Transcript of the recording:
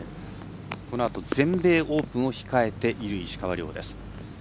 このあと、全米オープンを控えている石川遼です。